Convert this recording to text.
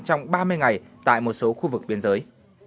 trong ba mươi ngày tại một số khu vực biên giới